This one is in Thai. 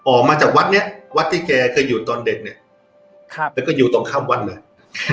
ออกมาจากวัดเนี้ยวัดที่แกเคยอยู่ตอนเด็กเนี่ยครับแล้วก็อยู่ตรงข้ามวัดเลย